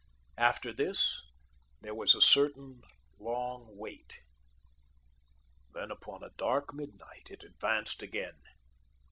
After this, there was a certain long wait. Then, upon a dark midnight, it advanced again.